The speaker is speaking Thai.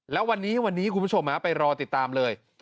แล้ววันนี้วันนี้คุณผู้ชมไปรอติดตามเลย